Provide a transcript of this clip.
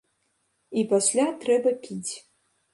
І пасля трэба піць.